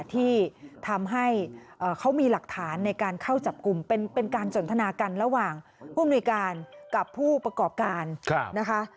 ที่ทำให้เขามีหลักฐานในการเข้าจับกลุ่มเป็นการสนทนากันระหว่างผู้อำนวยการกับผู้ประกอบการนะคะ